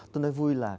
tôi nói vui là